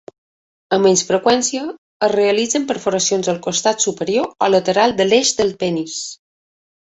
Amb menys freqüència, es realitzen perforacions al costat superior o lateral de l'eix del penis.